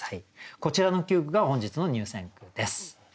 こちらの９句が本日の入選句です。